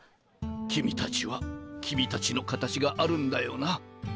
君たちは君たちの形があるんだよな。